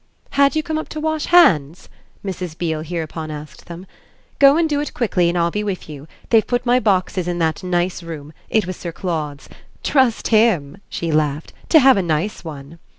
"Had you come up to wash hands?" Mrs. Beale hereupon asked them. "Go and do it quickly and I'll be with you: they've put my boxes in that nice room it was Sir Claude's. Trust him," she laughed, "to have a nice one!"